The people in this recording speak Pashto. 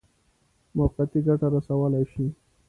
موقتي ګټه رسولای شي.